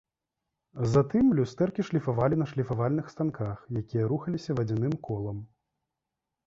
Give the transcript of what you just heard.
Затым люстэркі шліфавалі на шліфавальных станках, якія рухаліся вадзяным колам.